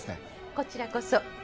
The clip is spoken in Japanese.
こちらこそ。